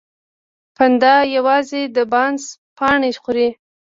پاندا یوازې د بانس پاڼې خوري